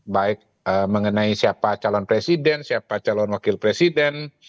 baik mengenai siapa calon presiden siapa calon wakil presiden